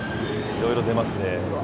いろいろ出ますね。